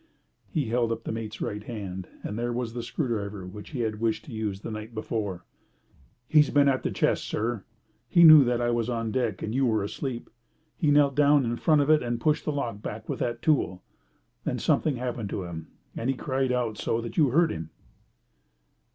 He held up the mate's right hand, and there was the screwdriver which he had wished to use the night before. "He's been at the chest, sir. He knew that I was on deck and you were asleep. He knelt down in front of it, and he pushed the lock back with that tool. Then something happened to him, and he cried out so that you heard him."